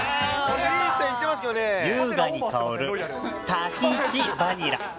優雅に香るタヒチバニラ。